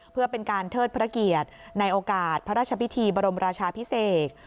เพื่อเป็นการเทิดพระเกียรติในโอกาสพระราชพิธีบรมราชาพิเศษ